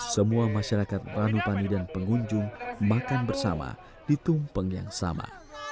semua masyarakat ranupani dan pengunjung makan bersama di tumpeng yang sama